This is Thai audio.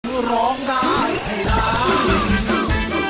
คือร้องได้ให้ร้าน